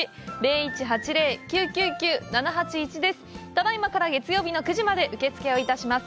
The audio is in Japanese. ただいまから月曜日の９時まで受付をいたします。